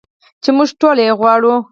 چې موږ ټول یې غواړو.